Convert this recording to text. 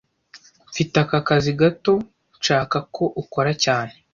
Mfite aka kazi gato nshaka ko ukora cyane